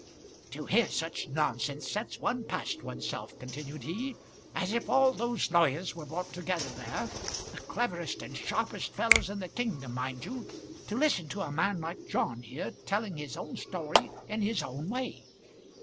"To hear such nonsense sets one past oneself," continued he; "as if all those lawyers were brought together there the cleverest and sharpest fellows in the kingdom, mind you to listen to a man like John here telling his own story in his own way.